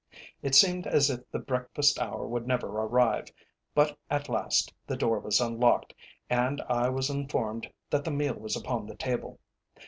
It seemed as if the breakfast hour would never arrive, but at last the door was unlocked, and I was informed that the meal was upon the table.